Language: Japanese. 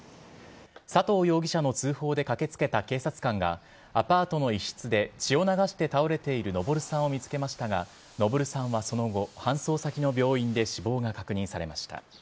佐藤容疑者の通報で駆けつけた警察官が、アパートの一室で血を流して倒れている登さんを見つけましたが、登さんはその後、搬送先の病院で死亡が確認されました。